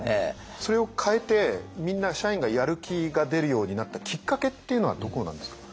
それを変えてみんな社員がやる気が出るようになったきっかけっていうのはどこなんですか？